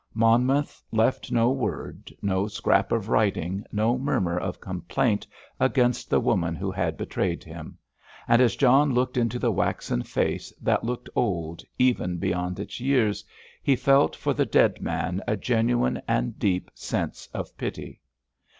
Monmouth left no word, no scrap of writing, no murmur of complaint against the woman who had betrayed him, and as John looked into the waxen face that looked old, even beyond its years, he felt for the dead man a genuine and deep sense of pity.